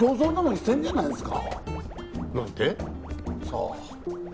さあ？